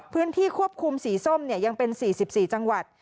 พื้นที่ควบคุมสีส้มยังเป็น๔๔จังหวัด